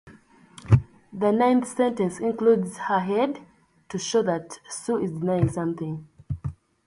The ninth sentence includes "her head" to show that Sue is denying something.